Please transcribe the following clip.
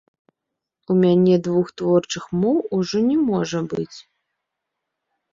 У мяне двух творчых моў ужо не можа быць.